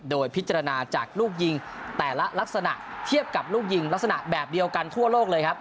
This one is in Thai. โดยพิจารณาจากลูกยิงแต่ละลักษณะเทียบกับลูกยิงลักษณะแบบเดียวกันทั่วโลกเลยครับ